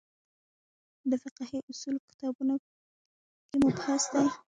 د فقهې اصولو کتابونو کې مبحث دی.